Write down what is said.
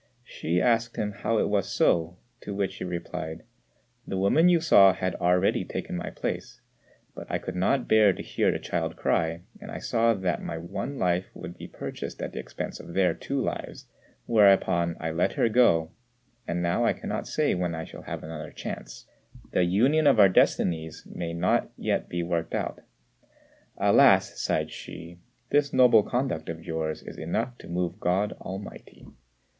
Hsü asked him how it was so; to which he replied, "The woman you saw had already taken my place, but I could not bear to hear the child cry, and I saw that my one life would be purchased at the expense of their two lives, wherefore I let her go, and now I cannot say when I shall have another chance. The union of our destinies may not yet be worked out." "Alas!" sighed Hsü, "this noble conduct of yours is enough to move God Almighty."